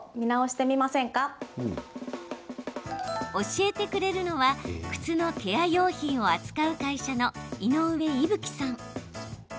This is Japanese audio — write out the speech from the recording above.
教えてくれるのは靴のケア用品を扱う会社の井上伊吹さん。